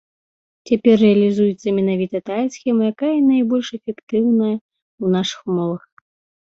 Цяпер рэалізуецца менавіта тая схема, якая найбольш эфектыўная ў нашых умовах.